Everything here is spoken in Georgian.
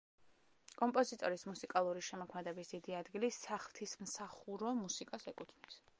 კომპოზიტორის მუსიკალური შემოქმედების დიდი ადგილი საღვთისმსახურო მუსიკას ეკუთვნის.